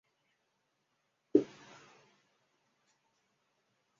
主要作为暖房或料理用途。